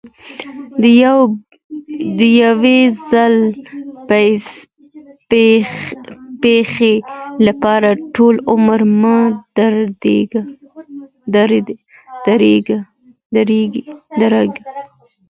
د یو ځل پیښې لپاره ټول عمر مه ډارېږه.